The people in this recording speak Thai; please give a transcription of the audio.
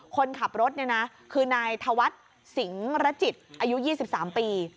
คนขับรถเนี่ยนะคือนายธวัฒน์สิงระจิตอายุ๒๓ปี